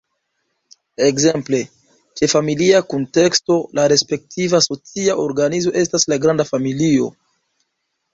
Ekzemple, ĉe familia kunteksto la respektiva socia organizo estas la granda familio.